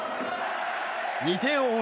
２点を追う